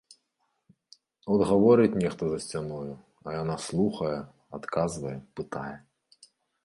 От гаворыць нехта за сцяною, а яна слухае, адказвае, пытае.